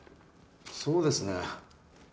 そうですね。